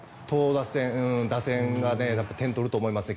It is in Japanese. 打線が点を取ると思いますね。